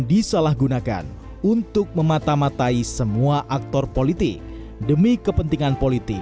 disalahgunakan untuk memata matai semua aktor politik demi kepentingan politik